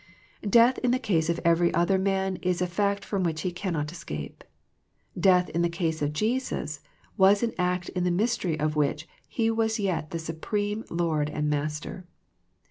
Death in the case of every other man is a fact from which He cannot escape. Death in the case of Jesus was an act in the mystery of which He was yet the supreme Lord and Master.